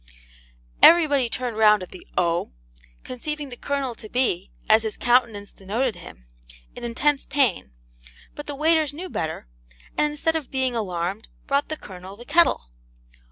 Everybody turned round at the 'O,' conceiving the Colonel to be, as his countenance denoted him, in intense pain; but the waiters knew better, and instead of being alarmed, brought the Colonel the kettle.